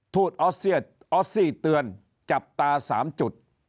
ทูตออสซี่เตือนจับตา๓จุด